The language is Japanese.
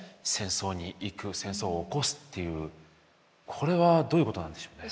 これはどういうことなんでしょうね。